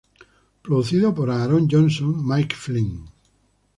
Producido por Aaron Johnson, Mike Flynn